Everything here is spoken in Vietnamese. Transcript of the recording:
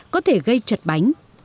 có thể gây trật bánh